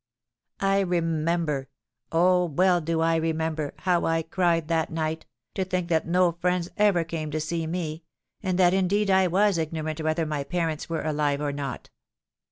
"I remember—Oh! well do I remember, how I cried that night, to think that no friends ever came to see me, and that indeed I was ignorant whether my parents were alive or not.